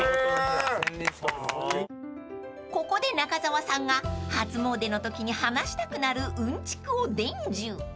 ［ここで中澤さんが初詣のときに話したくなるうんちくを伝授］